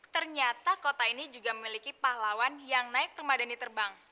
ternyata kota ini juga memiliki pahlawan yang naik permadani terbang